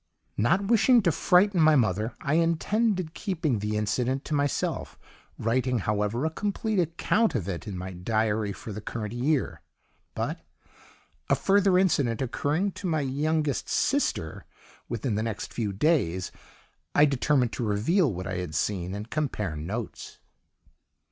"Not wishing to frighten my mother, I intended keeping the incident to myself, writing, however, a complete account of it in my diary for the current year, but, a further incident occurring to my youngest sister within the next few days, I determined to reveal what I had seen and compare notes."